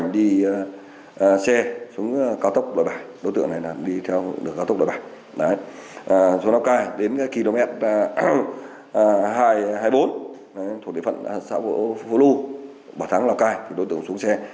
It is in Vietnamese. đối tượng xuống xe